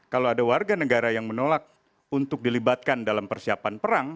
kalau ada warga negara yang menolak untuk dilibatkan dalam persiapan perang